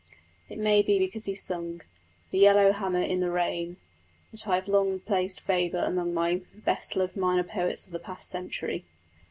It may be because he sung The yellow hammer in the rain that I have long placed Faber among my best loved minor poets of the past century.